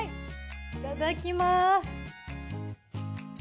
いただきます。